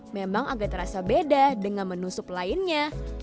memang agak terasa beda dengan menu sup lainnya